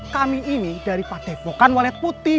kami ini dari padebo kan walet putih